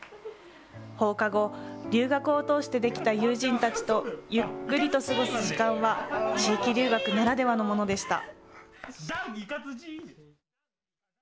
放課後、留学を通してできた友人たちとゆっくりと過ごす時間は地域留学ならではのものでした。